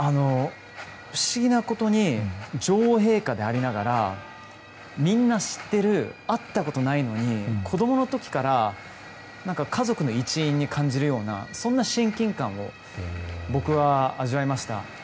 不思議なことに女王陛下でありながらみんな知ってる会ったことないのに子供の時から家族の一員に感じるようなそんな親近感を僕は味わいました。